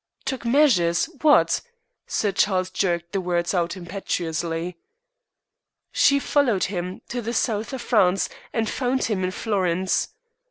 "Took measures! What?" Sir Charles jerked the words out impetuously. "She followed him to the South of France, and found him in Florence.